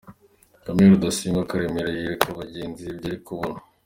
Camile Rudasingwa Karemera yereka bagenzi be ibyo ari kubona.